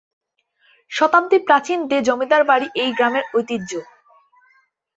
শতাব্দী প্রাচীন দে জমিদার বাড়ি এই গ্রামের ঐতিহ্য।